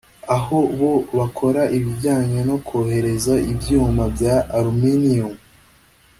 aho bo bakora ibijyanye no kohereza ibyuma bya Aluminium